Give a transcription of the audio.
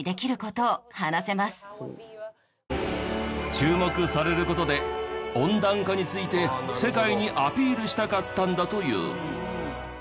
注目される事で温暖化について世界にアピールしたかったんだという。